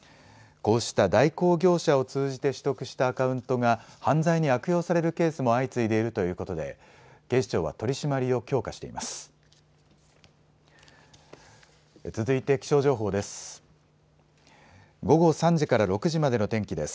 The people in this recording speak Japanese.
こうした代行業者を通じて取得したアカウントが犯罪に悪用されるケースも相次いでいるということで警視庁は取締りを強化しています。